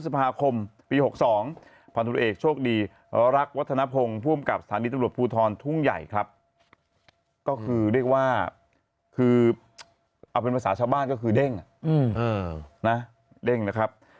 ปลาชบ้านก็คือเด้งนะเด้งนะครับ